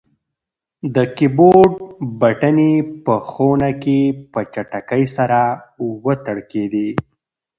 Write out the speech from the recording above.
د کیبورډ بټنې په خونه کې په چټکۍ سره وتړکېدې.